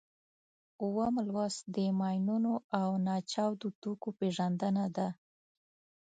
اووم لوست د ماینونو او ناچاودو توکو پېژندنه ده.